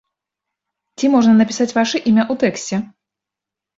Ці можна напісаць вашае імя ў тэксце?